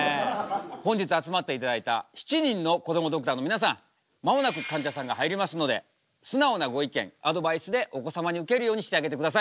本日集まっていただいた７人のこどもドクターの皆さん間もなくかんじゃさんが入りますので素直なご意見アドバイスでお子様にウケるようにしてあげてください。